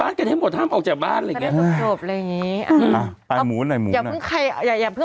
อะไรอย่างงี้อืมอ่าตายหมูหน่อยหมูหน่อยอย่าเพิ่งใครอย่าอย่าเพิ่ง